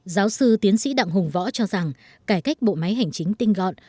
giáo sư tiến sĩ đặng hùng võ cho rằng cải cách bộ máy hành chính tinh gọn